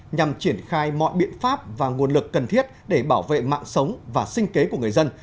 nhằm triển khai mọi biện pháp và nguồn lực cần thiết để bảo vệ mạng sống và sinh kế của người dân